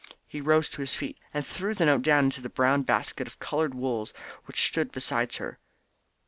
He rose to his feet, and threw the note down into the brown basket of coloured wools which stood beside her.